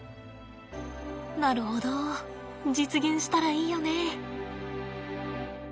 なるほど実現したらいいよね。